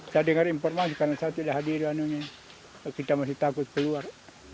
saya dengar informasi karena saya tidak hadir kita masih takut keluar